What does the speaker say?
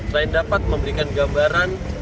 selain dapat memberikan gambaran